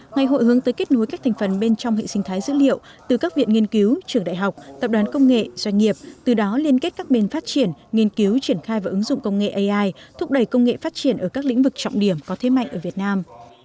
ngày hội hướng tới kết nối các thành phần bên trong hệ sinh thái dữ liệu từ các viện nghiên cứu trường đại học tập đoàn công nghệ doanh nghiệp từ đó liên kết các bên phát triển nghiên cứu triển khai và ứng dụng công nghệ ai thúc đẩy công nghệ phát triển ở các lĩnh vực trọng điểm có thế mạnh ở việt nam